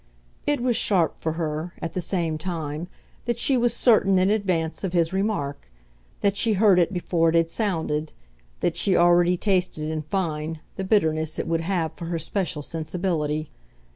It was sharp for her, at the same time, that she was certain, in advance, of his remark; that she heard it before it had sounded, that she already tasted, in fine, the bitterness it would have for her special sensibility.